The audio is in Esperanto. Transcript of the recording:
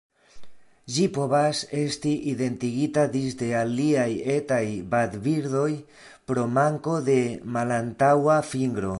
Ĝi povas esti identigita disde aliaj etaj vadbirdoj pro manko de malantaŭa fingro.